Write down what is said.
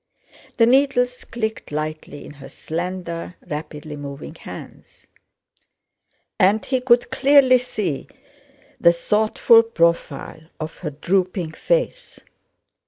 The needles clicked lightly in her slender, rapidly moving hands, and he could clearly see the thoughtful profile of her drooping face.